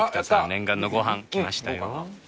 念願のご飯来ましたよ。